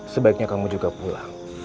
sebaiknya kamu juga pulang